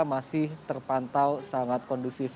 masih terpantau sangat kondusif